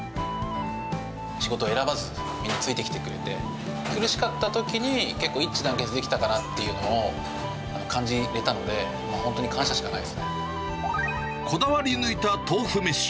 仕事を選ばず、みんなついてきてくれて、苦しかったときに、結構、一致団結できたかなっていうのを感じれたので、本当に感謝しかなこだわり抜いた豆腐めし。